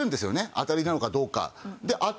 あたりなのかどうか。